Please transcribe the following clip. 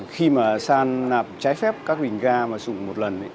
khi mà san nạp trái phép các bình ga mà sụn một lần